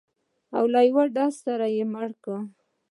او له یوه ډزه سره یې مړ کړ.